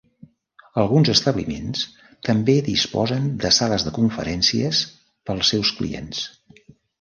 Alguns establiments també disposen de sales de conferències per als seus clients.